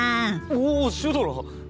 おおシュドラ！